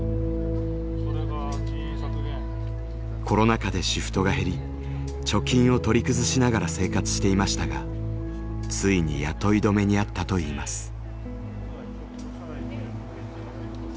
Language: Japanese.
コロナ禍でシフトが減り貯金を取り崩しながら生活していましたがついに雇い止めにあったといいます。